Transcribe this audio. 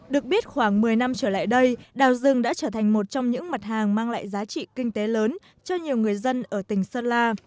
được biết khoảng một mươi năm trở lại đây đào rừng đã trở thành một trong những mặt hàng mang lại giá trị kinh tế lớn cho nhiều người dân ở tỉnh sơn la